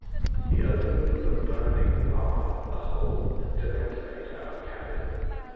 He opened with a burning bar a hole to ventilate our cabin.